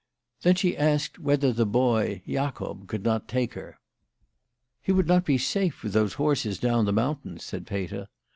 Then she asked whether the boy, Jacob, could not take her. " He would not be safe with those horses down the mountains," said Peter.